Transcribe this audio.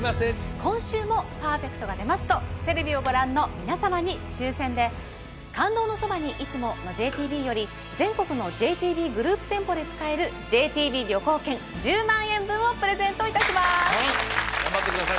今週もパーフェクトが出ますとテレビをご覧の皆様に抽選で「感動のそばに、いつも。」のＪＴＢより全国のＪＴＢグループ店舗で使えるＪＴＢ旅行券１０万円分をプレゼントいたします頑張ってください